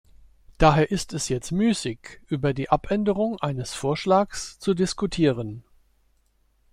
Daher ist es jetzt müßig, über die Abänderung eines Vorschlags zu diskutieren.